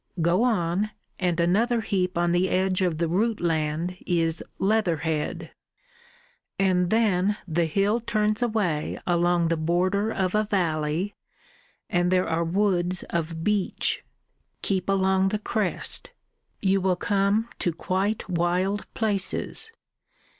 Go on, and another heap on the edge of the root land is Leatherhead; and then the hill turns away along the border of a valley, and there are woods of beech. Keep along the crest. You will come to quite wild places.